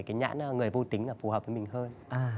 cái nhãn người vô tính là phù hợp với mình hơn